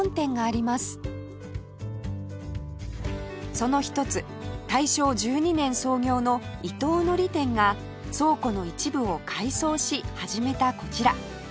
その一つ大正１２年創業の伊藤海苔店が倉庫の一部を改装し始めたこちら